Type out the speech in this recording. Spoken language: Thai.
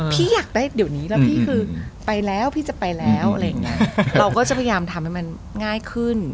พี่อยากได้เดี๋ยวนี้แล้วพี่คือไปแล้วพี่จะไปแล้วอะไรอย่างเงี้ยเราก็จะพยายามทำให้มันง่ายขึ้น